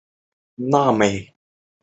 波热夫人口变化图示